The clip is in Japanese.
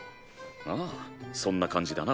ああそんな感じだな。